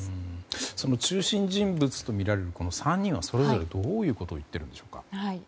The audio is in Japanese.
その中心人物とみられるこの３人はそれぞれ、どういうことを言っているんでしょうか。